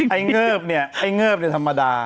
เงิบเนี่ยไอ้เงิบเนี่ยธรรมดา